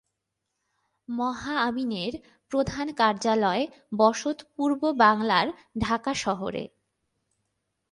মহা আমিনের প্রধান কার্যালয় বসত পূর্ব বাংলার ঢাকা শহরে।